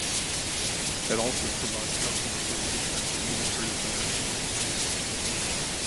It also provides customer services at its administrative centre in Horsham.